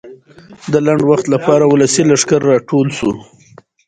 د لنډ وخت لپاره د ولسي لښکر راټولول شو وو.